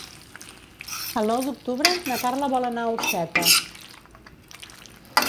El nou d'octubre na Carla vol anar a Orxeta.